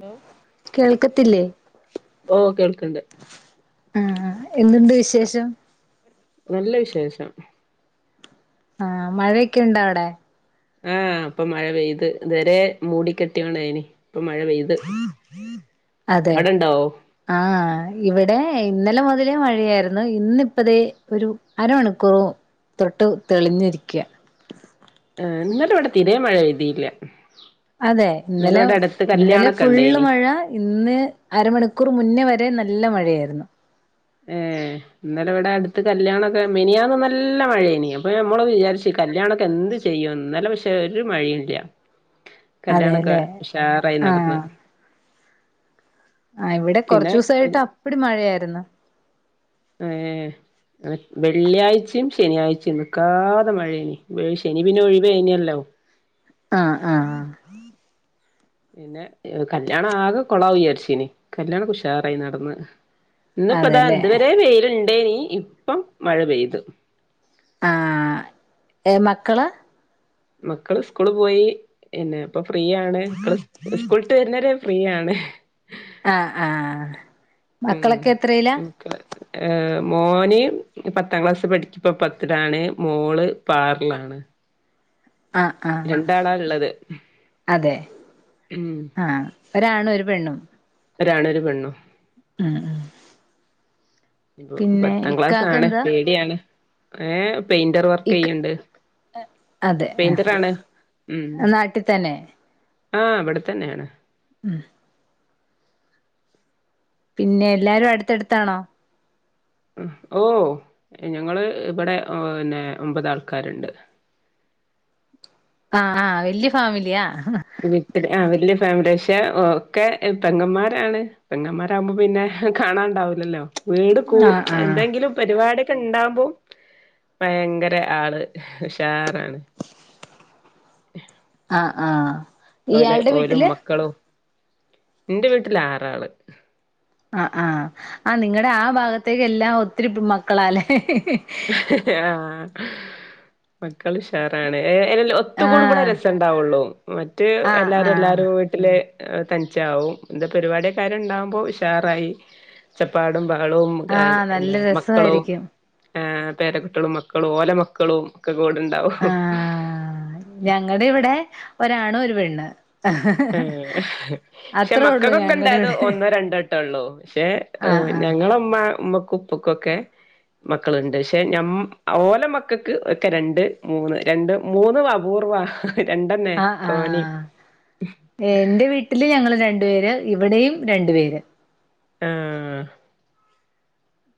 Hello കേൾക്കത്തില്ലേ? ഓ കേൾക്കണ്ട് ആഹ് ആഹ് എന്തുണ്ട് വിശേഷം നല്ല വിശേഷം ആഹ് മഴയൊക്കെയ്ണ്ടോ അവടെ? ആഹ് ഇപ്പോ മഴ പെയ്ത് ഇതേരെ മൂടിക്കെട്ടിയോണ്ടായിനി ഇപ്പോ മഴ പെയ്ത് [inaudible] അതെ അവിടെണ്ടോ ആഹ് ഇവ്ടെ ഇന്നലെ മുതലേ മഴയാരുന്നു ഇന്നിപ്പതെ ഒര് അരമണിക്കൂ തൊട്ട് തെളിഞ്ഞ്റിക്ക. ആഹ് ഇന്നലെ ഇവ്ടെ തീരേം മഴപെയ്തില്ല. അതെ ഇന്നലെ ഇന്നലെ കല്യാണൊക്കെ ഫുള്ള് ഉണ്ടേനി മഴ ഇന്ന് അരമണിക്കൂർ മുന്നേ വരെ നല്ല മഴയാര്ന്നു ഏഹ് ഇന്നലെ ഇവ്ടെ അട്ത്ത് കല്യാണൊക്കെ മെനിയാന്ന് നല്ല മഴയാനി അപ്പഞമ്മള് വിചാരിച്ചു കല്യാണൊക്കെ എന്ത് ചെയ്യുവെന്ന് ഇന്നലെ പക്ഷെ ഒരു മഴയുല്ല്യ കല്യാണക്കെ അതെല്ലേ ഉഷാറായി നടന്ന് ആഹ് ഇവ്ടെ പിന്നെ കൊറച്ചുസായിട്ട് അപ്പടി മഴയാര്ന്ന്. ഏഹ് വെള്ളിയാഴ്ച്ചേം ശനിയാഴ്ച്ചേം നിൽക്കാതെ മഴേനി ശനി പിന്നെ ഒഴിവായ്നല്ലോ? ആഹ് ആഹ് എന് കല്യാണാകെ കൊളാവുയ് വിചാരിച്ചീനി കല്യാണൊക്കെ ഉഷാറായി നടന്ന് ഇന്ന്പ്പതാ അതെല്ലേ ഇത് വരെ വെയിലുണ്ടേനി ഇപ്പം മഴ പെയ്തു. ആഹ് എ മക്കളാ? മക്കള് സ്കൂള് പോയി ഇന്നെപ്പ ഫ്രീയാണ് മക്കള് സ്കൂട്ട് വര്ന്നരെ ഫ്രീയാണ്. ആഹ് ആഹ് ഉം മക്കളൊക്കെ എത്രയിലാ? മക്കള് ഏഹ് മോന് പത്താം ക്ലാസി പഠിക്ക്‌പ്പ പത്തിലാണ് മോള് പ്പാറിലാണ്. ആഹ് ആഹ് ഇള്ളത് അതെ ഉം ആഹ് ഒരാണും ഒര് പെണ്ണും. ഒരാണും ഒര് പെണ്ണും. ഉം ഇപ്പ പത്താം ഇക്കാക്ക് ക്ലാസാണ് എന്താ പേടിയാണ്. ഏ പെയിന്റർ ഇക് വർക്കെയ്യ്ണ്ട് അതെ പെയിന്റർ ആണ്. ഉം. നാട്ടി തന്നെ ആഹ് ഇവ്ടെ തന്നെയാണ്. ആഹ് പിന്നെ എല്ലാരും അട്ത്തട്ത്താണോ? ഉം ഓ ഞങ്ങള് ഇബടെ പിന്നെ ഒമ്പത് ആൾക്കാര്ണ്ട്. ആഹ് ആഹ് വല്യഫാമിലിയാ? വീട്ട് ആഹ് വല്യഫാമിലിയാ ക്ഷെ ഒക്കെ പെങ്ങമാരാണ് പെങ്ങമാ ണ്ടാവ്മ്പോ പിന്നെ കാണാണ്ടാവൂലല്ലോ വീട് കൂ ആഹ് ആഹ് എന്തെങ്കിലും പര്പാടിക്കെണ്ടാവ്മ്പോ ഭയങ്കര ആള് ഉഷാറാണ്. ആഹ് ആഹ് ഓലെ ഇയാളുടെ ഓലും വീട്ടില് മക്കളും ന്റെ വീട്ടില് ആറാള്. ആഹ് ആഹ് ആഹ് നിങ്ങടെ ആ ഭാഗത്തേക്കെല്ലാം ഒത്തിരി മക്കളലേ? ആഹ് മക്കള് ഉഷാറാണ് എ എൽ ഒത്ത് ആഹ് കൂടുമ്പളാരസം ണ്ടാവൊള്ളൂ മറ്റെ ആഹ് എല്ലാരും ആഹ് എല്ലാരും വി ട്ട്ലെ തനിച്ചാവും ഇന്ത പര്പാടിക്കാരും ണ്ടാകുമ്പോ ഉഷാറായി ഒച്ചപ്പാടും ബഹളേം എ ആഹ് പിന്നെ നല്ല മക്കളും രസമായിരിക്കും ആഹ് പേരക്കുട്ടികളും മക്കളും ഓലെമക്കളും ഒക്കെ കൂടെണ്ടാവും. ആഹ് ഞങ്ങടെ ഇവ്ടെ ഒരാണും ഒര് പെണ്ണ് ഉം പക്ഷെ അത്രേ ഉള്ളൂ മക്കക്കൊക്കെ ഞങ്ങടെ ഇണ്ടായത് ഇവിടെ ഒന്നോ രണ്ടട്ടം ഒള്ളൂ പക്ഷെ ആഹ് ആഹ് ഞങ്ങള്മ്മ ഉമ്മക്കും പുക്കൊക്കെ മക്കള്ണ്ട് പക്ഷെ ഞ ഓലെ മക്കൾക്ക് ഒക്കെ രണ്ട് മൂന്ന് രണ്ട് മൂന്ന് വപൂർവ രണ്ടന്നെ ആഹ് തോണി ആഹ് എന്റെ വീട്ടില് ഞങ്ങള് രണ്ടു പേര് ഇവിടെയും രണ്ടു പേര് ആഹ്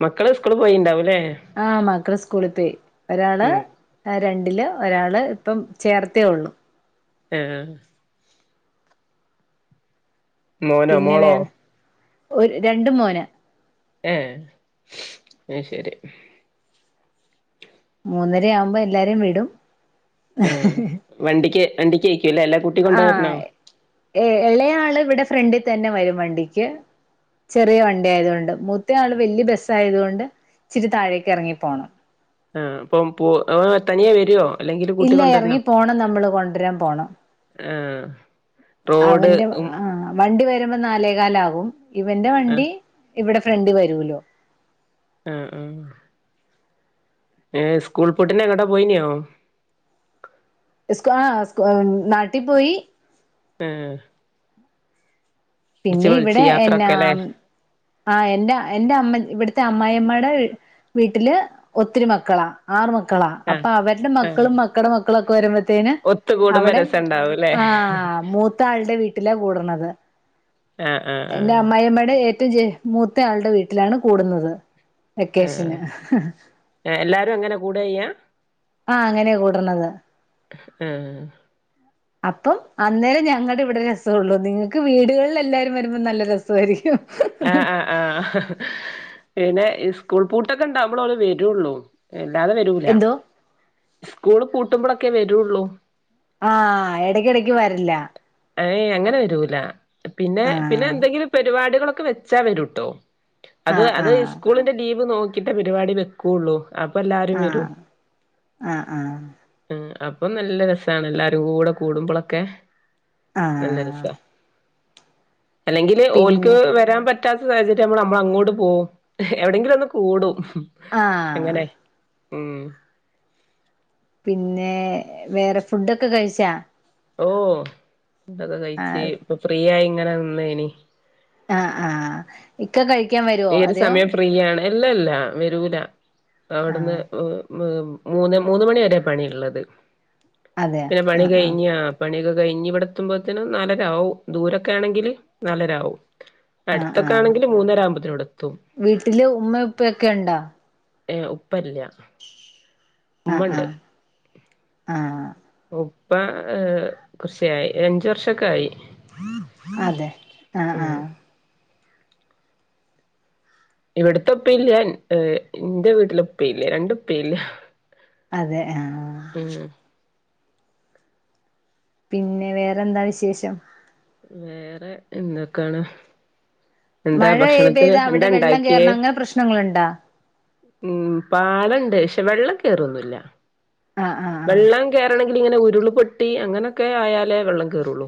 മക്കള് സ്കൂള് പോയിണ്ടാവല്ലേ ആഹ് മക്കള സ്കൂളിൽ പോയി ഒരാള് ഉം രണ്ടില് ഒരാള് ഇപ്പം ചേർത്തേ ഉള്ളു ആഹ് മോനോ പിന്നെ മോളോ വേറെ ഒരു രണ്ട മോന് ആഹ് അയ് ശരി മൂന്നര ആവുമ്പോ എല്ലാരും വിടും ആഹ് വണ്ടിക്ക് വണ്ടിക്ക്യക്കൂല്ലേ എല്ലാ ആഹ് ഏ ഇളയയാള് ഇവിടെ ഫ്രണ്ടിൽ തന്നെ വരും വണ്ടിക്ക് ചെറിയ വണ്ടി ആയതുകൊണ്ട് മൂത്ത ആള് വലിയ ബസ്സ ആയതുകൊണ്ട് ഇച്ചിരി താഴേക്ക് ഇറങ്ങിപ്പോണം ആഹ് അപ്പം പോ തനിയാ വരുവോ അല്ലെങ്കിൽ കൂട്ടി ഇല്ല കൊണ്ടരണോ ഇറങ്ങി പോണം നമ്മള് കൊണ്ടുവരാൻ പോണം ആഹ് റോഡ് അവന്റെ ഉം അഹ് വണ്ടി വരുമ്പോ നാലേകാലാകും ഇവന്റെ ആഹ് വണ്ടി ഇവിടെ ഫ്രണ്ട് വരുല്ലോ അഹ് അഹ് ഏയ് സ്കൂൾ പൊട്ടന്ങ്ങട്ടാ പോയിനോ [unintelligible] അഹ് [unintelligible] നാട്ടിൽ പോയി ആഹ് പിന്നെ പൊളിച്ച് ഇവിടെ എന്ന യാത്രൊക്കെല്ലേ ആഹ് എന്റെ എന്റെ അമ്മ ഇവിടുത്തെ അമ്മായിമ്മടെ വീട്ടില് ഒത്തിരി മക്കളാ ആറ് മക്കളാ ആഹ് അപ്പൊ അവരുടെ ആഹ് മക്കളും മക്കളുടെ മക്കളും ഒക്കെ വരുമ്പ ത്തേന് ഒത്ത് കൂടുമ്പോ അവിടെ രസണ്ടാവുംല്ലേ ആഹ് മൂത്ത ആളുടെ വീട്ടിലെ കൂടണത് ആഹ് ആഹ് എൻ്റെ ആഹ് അമ്മായിമ്മടെ ഏറ്റവും മൂത്തയാളുടെ വീട്ടിലാണ് കൂടുന്നത് ആഹ് വെക്കേഷന് എല്ലാരും എങ്ങനെ കൂടെയ്യ അഹ് അങ്ങനെയ കൂടർണത് ആഹ് അപ്പം അന്നേരം ഞങ്ങളുടെ ഇവിടെ രസമള്ളു നിങ്ങൾക്ക് വീടുകളിൽ എല്ലാരും വരുമ്പോൾ നല്ല രസ ആഹ് [unintelligible] ആഹ് ആഹ് പിന്നെ സ്കൂൾ പൂട്ടൊക്കെ ഉണ്ടാവുമ്പോള അവ വരുള്ളൂ അല്ലാതെ വരൂല എന്തോ സ്കൂള് പൂട്ടുമ്പോഴൊക്കെ വരുള്ളൂ അഹ് ഇടയ്ക്കിടയ്ക്ക് വരില്ല ഏയ് അങ്ങനെ വരൂല പിന്നെ പിന്നെ ആഹ് എന്തെങ്കിലും പരിപാടികളൊക്കെ വെച്ചാ വരൂട്ടോ അത് ആഹ് അത് ആഹ് സ്കൂളിന്റെ ലീപ് നോക്കിട്ട പരിപാടി വെക്കുള്ളു അപ്പൊ എല്ലാരും വരൂ ആഹ് ആഹ് ആഹ് ഉം അപ്പൊ നല്ല രസമാണ് എല്ലാരും കൂടെ കൂടുമ്പോളൊക്കെ നല്ല ആഹ് രസ അല്ലെങ്കില് ഓല്ക്ക് പിന്നെ വരാൻ പറ്റ റ്റാത്ത സാഹചര്യ ആവ്മ്പോ നമ്മള് അങ്ങോട്ട് പോകും എവിടെങ്കിലൊന്ന് കൂടും ആഹ് അങ്ങനെ ഉം പിന്നെ വേറെ ഫുഡൊക്കെ കഴിച്ചാ ഓഹ് ഫുഡോക്കെ കഴിച്ച് ആഹ് ഇപ്പൊ ഫ്രീ ആയി ഇങ്ങനെ നിന്നേനി ആഹ് ആഹ് ഇക്ക കഴിക്കാൻ വെരോ ഈ ഒരു ആദ്യം സമയം ഫ്രീയാണ് ഇല്ലല്ലാ വരൂല അവിട്ന്ന് ആഹ് ഉ മ് മൂന്ന് മൂന്ന് മണി വരെ പണിള്ളത് അതെയോ പിന്നെ പണി ആഹ് ആഹ് കഴിഞ്ഞാ പണിയൊക്കെ കഴിഞ്ഞ് ഇവിടെ എത്തുമ്പോത്തിന് നാലരാവും ദൂരൊക്കെ ആണെങ്കില് നാലരാവും ആഹ് ആഹ് അട്ത്തൊക്കാണെങ്കില് മൂന്നരാവുമ്പ വീട്ടില് ഉമ്മ ഉപ്പൊക്കെണ്ടോ ഏഹ് ഉപ്പ ഇല്ല ആഹ് ആഹ് ആഹ് ഉപ്പ ഏ കൊറ്ച്ചായി ഒര് അഞ്ച് വർഷക്കായി. അതെ ആഹ് ഉം ആഹ് ഇവിട്ത്തെ ഉപ്പയില്ല ഏഹ് ഇന്റെ വീട്ടിലെ ഉപ്പയില്ല രണ്ടുപ്പയില്ല. അതെ ആഹ് ഉം പിന്നെ വേറെന്താ വിശേഷം? വേറെ എന്തെക്കാണ്? എന്താ മഴ ഭക്ഷണത്തിന് പെയ്താ അവിടെ വെള്ളം എന്താണ്ടാക്ക്യേ? കേറണ അങ്ങനെ പ്രശ്നങ്ങളുണ്ടാ ഉം പാലണ്ട് ക്ഷെ വെള്ളം കേറൊന്നുല്ല ആഹ് ആഹ് ആഹ് വെള്ളം കേറണങ്കില് ഇങ്ങനെ ഉരുള് പൊട്ടി അങ്ങനൊക്കെ ആയാലേ വെള്ളം കേറൊള്ളൂ.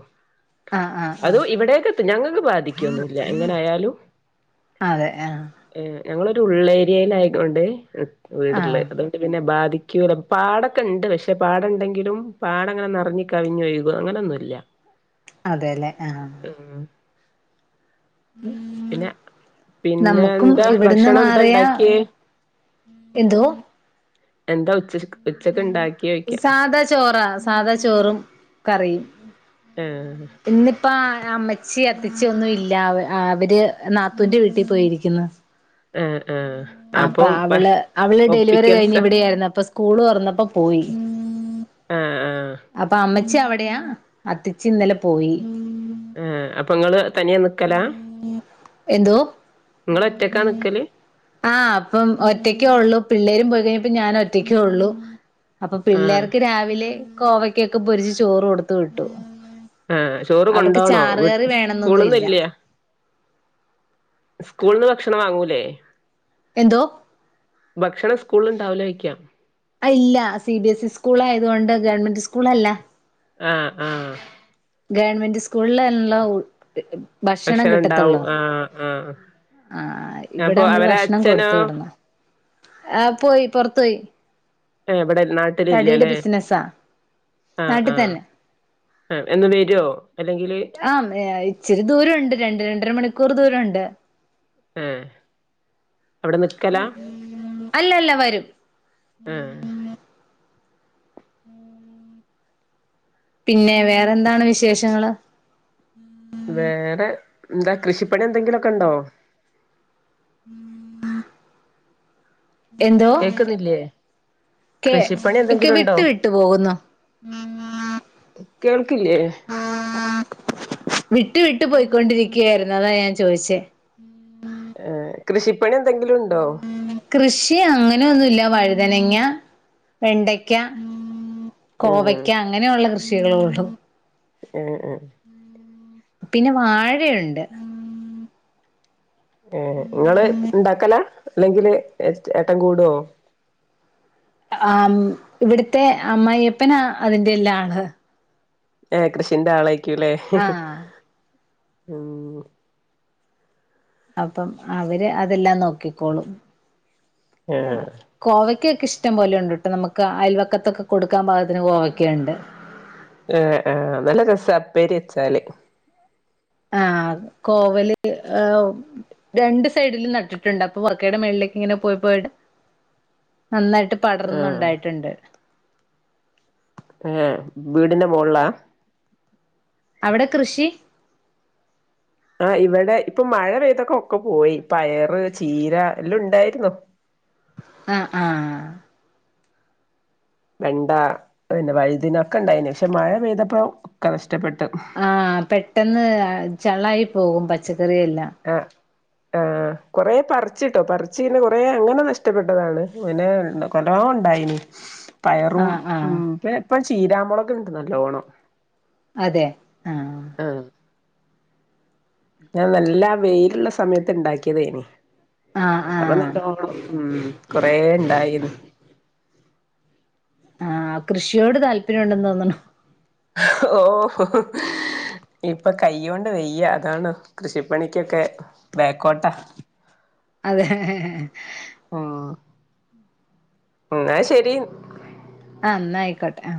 ആഹ് ആഹ് അത് ആഹ് ഇവടേക്കെത്തും ഞങ്ങക്ക് ബാധിക്കൊന്നുല്ല എങ്ങനായാലും. അതെ ആഹ് ഏഹ് ഞങ്ങളൊരു ഉള്ളേരിയേല് ആയ്കൊണ്ട് വീട്ള്ളത് ആഹ് അതൊ ണ്ട് പിന്നെ ബാധിക്കൂല്ല പാടക്കെണ്ട് പഷെ പാടണ്ടങ്കിലും പാടങ്ങനെ നെറഞ്ഞ് കവിഞ്ഞൊഴുകോ അങ്ങനൊന്നുല്ല. അതെലേ ആഹ്. ഉം പിന്നെ പിന്നെ നമ്മുക്കും എന്താ ഇവടെന്ന് ഭക്ഷണം എന്താ മാറിയാ ഉണ്ടാക്കിയേ എന്തോ? എന്താ ഉച്ചര് ഉച്ചക്ക് ഇണ്ടാക്ക്യോയിക്കാ. സാധാ ചോറാ സാധാ ചോറും കറിയും. ഏഹ് ഇന്ന്പ്പാ അമ്മച്ചി അത്തച്ചി ഒന്നും ഇല്ല അ അവര് നാത്തൂന്റെ വീട്ടില് പോയിരിക്ക്‌ന്ന്. ആഹ് ആഹ് അപ്പ അപ്പം അവള് അവള് ഡെലിവറി ഒപ്പിക്കൽസ കഴിഞ്ഞ് ഇവിടെ ആയിരുന്നു അപ്പൊ സ് കൂള് തൊറന്നപ്പോ പോയി. ആഹ് ആഹ് അപ്പ അമ്മച്ചി അവിടെയാ അത്തച്ചി ഇന്നലെ പോയി ഏഹ് അപ്പ ഇങ്ങള് തനിയേ നിക്കലാ എന്തോ ഇങ്ങളൊറ്റക്കാ നിക്കല് ആഹ് അപ്പം ഒറ്റക്കെ ഒള്ളു പിള്ളേരും പോയി കഴിഞ്ഞപ്പം ഞാൻ ഒറ്റക്കെ ഒള്ളു അപ്പ ആഹ് പിള്ളേർക്ക് രാവിലെ കോവക്കൊക്കെ പൊരിച്ച് ചോറ് കൊടുത്ത് വിട്ടു. ആഹ് ചോറ് അവർക്ക് കൊണ്ടോണോ വീ ചാറ്കറി വേണന്നൊന്നുല്ല. സ്കൂള്ന്നില്ലേ സ്കൂള്ന്ന് ഭക്ഷണം വാങ്ങൂലേ? എന്തോ? ഭക്ഷണം സ്കൂളില് ഉണ്ടാവൂല്ലേ കഴിക്ക. അയ്ല്ല C B S E school ആയതുകൊണ്ട് ഗവൺമെന്റ് സ്കൂളല്ല. ആഹ് ആഹ് ഗവൺമെന്റ് സ്കൂളിലാണല്ലോ ഭക്ഷണം ഉണ്ടാവും കിട്ടത്തൊള്ളൂ. ആഹ് ആഹ് ആഹ് ആഹ് ഇവിടെ അപ്പൊ നമ്മള് അവരെ ഭക്ഷണം അച്ഛനോ കൊടുത്ത് വിടണം ആഹ് പോയി പുറത്ത് പോയി. [unintelligible] തടീടെ ബിസിനസ്സാ. ആഹ് ആഹ് ആഹ് എന്ന് വെരുവോ അല്ലെങ്കില് ആഹ് [unintelligible] ഇച്ചിരി ദൂരം ഉണ്ട് രണ്ട് രണ്ടര മണിക്കൂറ് ദൂരണ്ട്. ഏഹ് അവിടെ നിക്കലാ അല്ലല്ല വരും. ആഹ് പിന്നെ വേറെന്താണ് വിശേഷങ്ങള്? വേറെ എന്താ കൃഷിപ്പണി എന്തെങ്കിലുമൊക്കെ ഉണ്ടോ? കേക്കുന്നില്ലേ? കൃഷിപ്പണി കെ എന്തെങ്കിലും വിട്ട് ഉണ്ടോ വിട്ടു പോകുന്നു കേൾക്കില്ലേ വിട്ടു വിട്ട് പോയിക്കൊണ്ടിരിക്കുകയായിരുന്നു അതാ ഞാൻ ചോദിച്ചേ ഏഹ് കൃഷിപ്പണി എന്തെങ്കിലും ഉണ്ടോ? കൃഷി അങ്ങനൊന്നുല്ല വഴുതനങ്ങ വെണ്ടയ്ക്ക ഉം കോവയ്ക്ക അങ്ങനെയുള്ള കൃഷികളെ ഉള്ളു ഉം ഉം പിന്നെ വാഴയുണ്ട് ഏഹ് നിങ്ങള് ഉണ്ടാക്കല അല്ലെങ്കില് ഏട്ടൻ കൂടുവോ ആഹ് ഇവിടുത്തെ അമ്മയിപ്പനാ അതിന്റെ എല്ലാം ആള് ഏഹ് കൃഷിന്റെ ആളായിക്കൂല്ലേ ആഹ് ഉം അപ്പം അവര് അതെല്ലാം നോക്കിക്കോളും ഏഹ് കോവയ്ക്കൊക്കെ ഇഷ്ടം പോലെ ഉണ്ട് ട്ടോ നമ്മുക്ക് അയൽവക്കത്തൊക്കെ കൊടുക്കാൻ പാകത്തിന് കോവയ്ക്കുണ്ട് ആഹ് ആഹ് നല്ല രസവാ ഉപ്പേരി വെച്ചാല് ആഹ് കോവല് [unintelligible] രണ്ട് സൈഡിലും നട്ടിട്ടുണ്ട് അപ്പൊ [unintelligible] മേളിലേക്ക് ഇങ്ങനെ പോയി പോയി നന്നായിട്ട് ആഹ് പടർന്നുണ്ടായിട്ടുണ്ട് ഏഹ് വീടിന്റെ മോളിലാ അവിടെ കൃഷി ആഹ് ഇവിടെ ഇപ്പൊ മഴ പെയ്തൊക്ക ഒക്കെ പോയി പയറ് ചീര എല്ലാം ഉണ്ടായിരുന്നു ആഹ് ആഹ് വെണ്ട പിന്നെ വഴുതിന ഒക്കെ ഉണ്ടായിനു പക്ഷെ മഴ പെയ്തപ്പ ഒക്കെ നഷ്ടപ്പെട്ടു ആഹ് പെട്ടെന്ന് ചള്ളായി പോകും പച്ചക്കറിയെല്ലാം ആഹ് ആഹ് കുറേ പറിച്ചിട്ടോ പറിച്ചിങ്ങനെ കുറേ അങ്ങനെ നഷ്ടപ്പെട്ടതാണ് പിന്നെ ഉണ്ടോ നല്ലോണം ഉണ്ടായിനി പയറും ആഹ് ആഹ് ഉം ഇപ്പ ചീരാമുളക് ഉണ്ട് നല്ലോണം അതെ ആഹ് ആഹ് ഞാൻ നല്ല വെയിലുള്ള സമയത്ത് ഉണ്ടാക്കിയതേനി ആഹ് അപ്പൊ ആഹ് നല്ലോണം ഉം കൊറെ ഇണ്ടായിന്ന്. ആഹ് കൃഷിയോട് താല്പര്യം ണ്ടെന്ന് തോന്ന്ണു. ഓ. ഇപ്പൊ കൈ കൊണ്ട് വെയ്യ അതാണ് കൃഷിപ്പണിക്കൊക്കെ ബേക്കോട്ടാ. അതെ. ഉം എന്ന ശരി. ആ ഇന്നായ്ക്കോട്ടെ ആ.